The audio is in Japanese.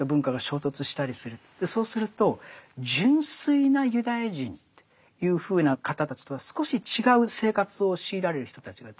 そうすると純粋なユダヤ人というふうな方たちとは少し違う生活を強いられる人たちが出てくる。